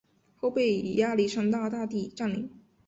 后被亚历山大大帝占领。